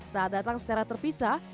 saat datang secara terpisah